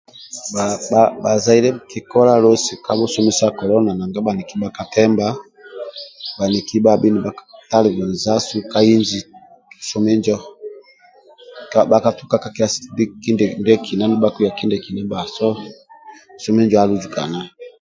Bhakpa bhazaire kikola losi ka busumi sa kolona nanga bhaniki bhakatemba nanga bhaniki bhakatemba bhaniki bhabhi nibhakatalibanizasu ka inji busumi injo bhaniki bhakatuka ka kilasi nibhakiya kindiekina bba so busumi injo aluzukana